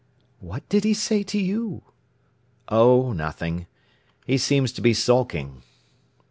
"What did he say to you?" "Oh, nothing! He seems to be sulking."